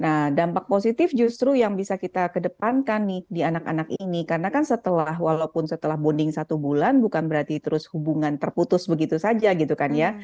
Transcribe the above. nah dampak positif justru yang bisa kita kedepankan nih di anak anak ini karena kan setelah walaupun setelah bonding satu bulan bukan berarti terus hubungan terputus begitu saja gitu kan ya